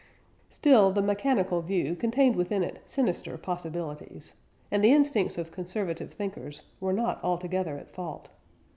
" Still, the mechanical view contained within it sinister possibilities; and the instincts of conservative thinkers were not altogether at fault.